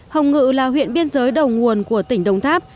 hồng ngự là huyện biên giới đầu nguồn của tỉnh đồng tháp